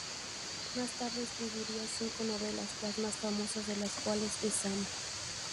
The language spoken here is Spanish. Más tarde escribiría cinco novelas, la más famosa de las cuales es "Zama".